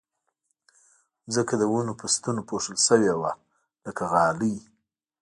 ځمکه د ونو په ستنو پوښل شوې وه لکه غالۍ